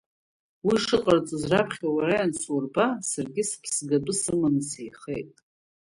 Уи шыҟарҵоз раԥхьа уара иансурба, саргьы сыԥсгатәы сыманы сеихеит.